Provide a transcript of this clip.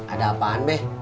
ada apaan be